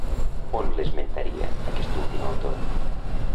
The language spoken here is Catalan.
On l'esmentaria aquest últim autor?